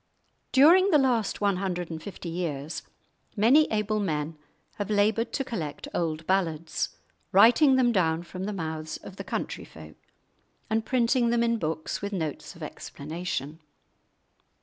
During the last one hundred and fifty years many able men have laboured to collect old ballads, writing them down from the mouths of the country folk and printing them in books with notes of explanation.